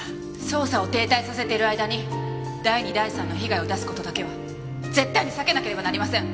捜査を停滞させている間に第２第３の被害を出す事だけは絶対に避けなければなりません！